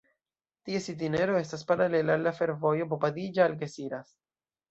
Ties itinero estas paralela al la fervojo Bobadilla-Algeciras.